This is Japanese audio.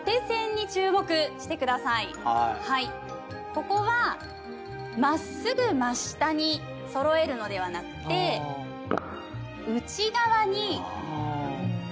ここは真っすぐ真下に揃えるのではなくて内側にぎゅっとすぼめて書く